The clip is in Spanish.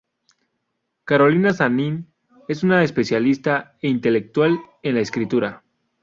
Carolina Sanín es una especialista e intelectual en la escritura.